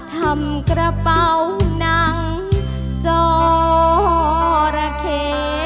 ทำกระเป๋าหนังจอระเข